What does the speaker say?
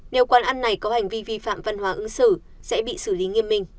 nếu quán ăn này có hành vi vi phạm văn hóa ứng xử sẽ bị xử lý nghiêm minh